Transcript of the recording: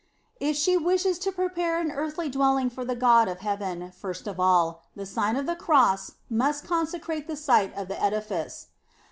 If she wishes to prepare an earthly dwell ing for the God of heaven, first of all, the Sign of the Cross must consecrate the site of the edifice.